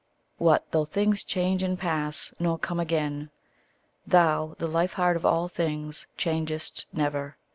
What though things change and pass, nor come again! Thou, the life heart of all things, changest never.